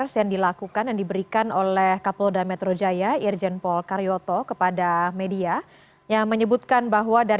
jalan proklamasi jakarta pusat